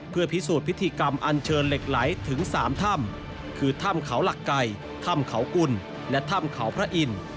เพื่อพิสูจน์พิธีกรรมอันเชิญเหล็กไหลถึง๓ถ้ำคือถ้ำเขาหลักไก่ถ้ำเขากุลและถ้ำเขาพระอินทร์